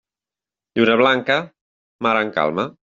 Lluna blanca, mar en calma.